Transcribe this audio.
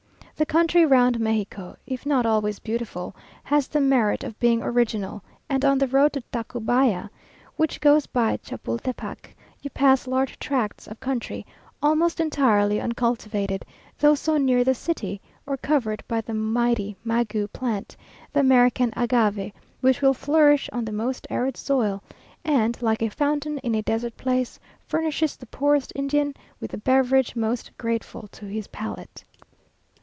The country round Mexico, if not always beautiful, has the merit of being original, and on the road to Tacubaya, which goes by Chapultepec, you pass large tracts of country, almost entirely uncultivated, though so near the city, or covered by the mighty maguey plant, the American agave, which will flourish on the most arid soil, and, like a fountain in a desert place, furnishes the poorest Indian with the beverage most grateful to his palate.